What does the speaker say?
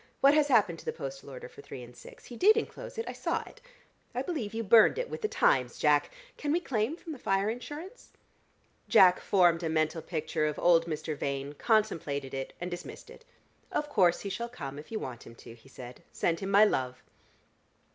What has happened to the postal order for three and six? He did enclose it, I saw it. I believe you've burned it with the Times, Jack. Can we claim from the fire insurance?" Jack formed a mental picture of old Mr. Vane, contemplated it and dismissed it. "Of course he shall come if you want him to," he said. "Send him my love."